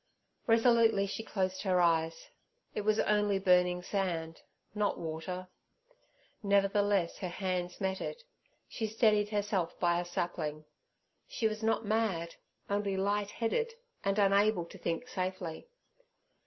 Resolutely she closed her eyes. It was only burning sand, not water; nevertheless, her hands met it. She steadied herself by a sapling. She was not mad, only light headed, and unable to think safely.